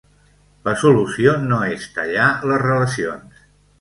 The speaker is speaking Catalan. La solució no és tallar les relacions.